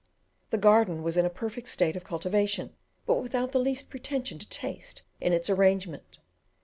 The garden was in a perfect state of cultivation, but without the least pretension to taste in its arrangement.